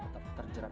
kalau ini yan dishii